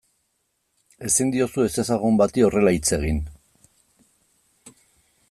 Ezin diozu ezezagun bati horrela hitz egin.